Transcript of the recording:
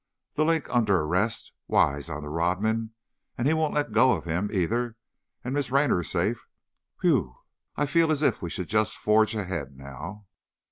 'The Link' under arrest, Wise onto Rodman, and he won't let go of him, either, and Miss Raynor safe, whew! I feel as if we should just forge ahead now!"